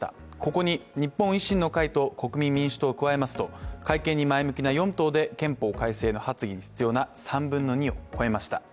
ここに日本維新の会と国民民主党を加えますと改憲に前向きな４党で憲法改正の発議に必要な３分の２を超えました。